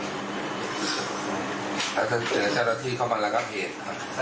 ถ้าเธอเจอเจ้าหน้าที่เข้ามารักทรัพย์เหล่ามั้ง